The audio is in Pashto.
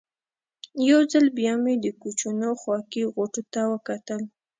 یو ځل بیا مې د کوچونو خوا کې غوټو ته وکتل.